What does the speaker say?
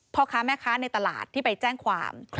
พ่อค้าแม่ค้าในตลาดที่ไปแจ้งความ